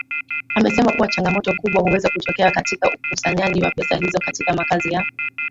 Amesema kuwa changamoto kubwa huweza kutokea katika ukusanyaji wa pesa hizo katika makazi ya